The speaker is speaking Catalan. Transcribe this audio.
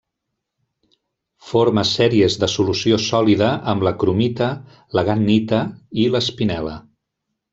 Forma sèries de solució sòlida amb la cromita, la gahnita i l'espinel·la.